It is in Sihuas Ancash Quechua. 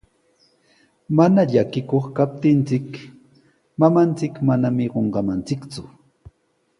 Mana llakikuq kaptinchik, mamanchik manami qunqamanchikku.